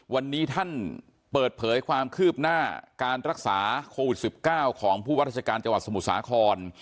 วันนี้ท่านเปิดเผยความคืบหน้าการรักษาโควิด๑๙ของผู้ว่าราชการจังหวัดสมุทรสาคร